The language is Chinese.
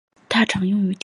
它常用于电镀。